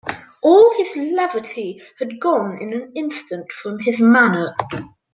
All his levity had gone in an instant from his manner.